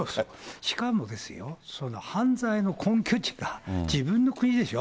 しかもですよ、その犯罪の本拠地が自分の国でしょ。